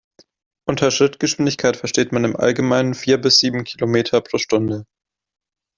Unter Schrittgeschwindigkeit versteht man im Allgemeinen vier bis sieben Kilometer pro Stunde.